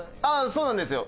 そうなんですよ。